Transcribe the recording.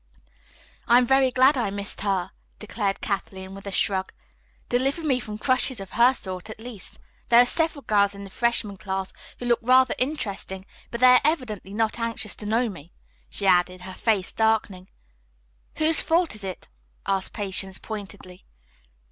"I am very glad I missed her," declared Kathleen, with a shrug. "Deliver me from 'crushes' of her sort, at least. There are several girls in the freshman class who look rather interesting, but they are evidently not anxious to know me," she added, her face darkening. "Whose fault is it?" asked Patience pointedly.